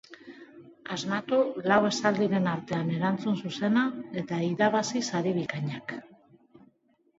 Asmatu lau esaldiren artean erantzun zuzena eta irabazi sari bikainak.